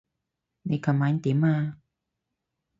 你琴晚點啊？